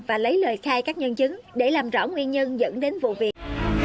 và lấy lời khai các nhân chứng để làm rõ nguyên nhân dẫn đến vụ việc